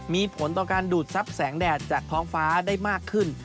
มีผลต่อการดูดทรัพย์แสงแดดจากท้องฟ้าได้มากขึ้น